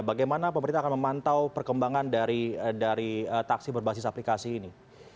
bagaimana pemerintah akan memantau perkembangan dari taksi berbasis aplikasi ini